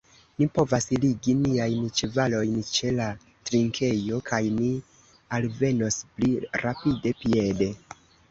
Ni povas ligi niajn ĉevalojn ĉe la trinkejo, kaj ni alvenos pli rapide piede.